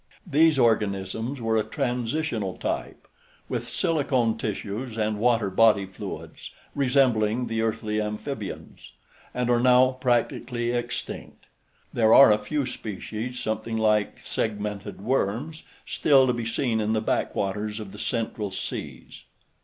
These organisms were a transitional type, with silicone tissues and water body fluids, resembling the earthly amphibians, and are now practically extinct. There are a few species, something like segmented worms, still to be seen in the backwaters of the central seas.